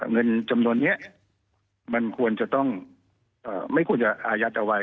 เงินจำนวนนี้มันควรจะต้องไม่ควรจะอายัดเอาไว้